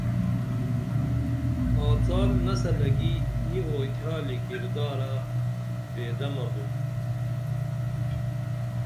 آڅال نسلہ کی نی اوتھیالی کردارہ بے دمہ بُم